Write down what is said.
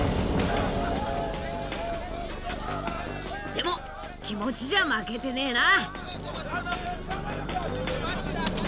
でも気持ちじゃ負けてねぇな。